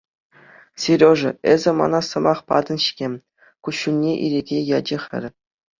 Сережа, эсӗ мана сӑмах патӑн-ҫке, — куҫҫульне ирӗке ячӗ хӗр.